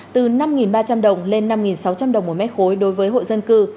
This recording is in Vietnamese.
từ năm ba trăm linh đồng lên năm sáu trăm linh đồng một mét khối đối với hộ dân cư